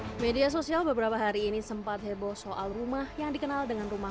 hai media sosial beberapa hari ini sempat heboh soal rumah yang dikenal dengan rumah